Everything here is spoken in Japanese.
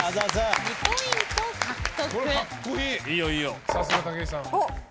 ２ポイント獲得。